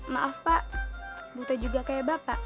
maaf pak butuh juga kayak bapak